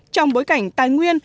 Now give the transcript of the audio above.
trong bối cảnh tài nguyên